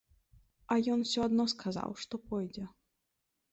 А ён усё адно сказаў, што пойдзе.